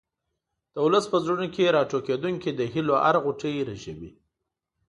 د ولس په زړونو کې راټوکېدونکې د هیلو هره غوټۍ رژوي.